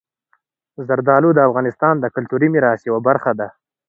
زردالو د افغانستان د کلتوري میراث یوه برخه ده.